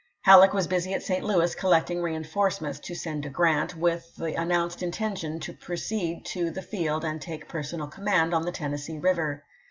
Halleck was busy at St. Louis collecting reenforcements to send to Grant, with the announced intention to proceed to the field and take personal command on the Tennessee Eiver.